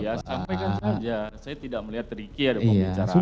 iya sampaikan saja saya tidak melihat riki ada pembicaraan